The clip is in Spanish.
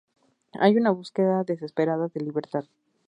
Hay una búsqueda desesperada de libertad.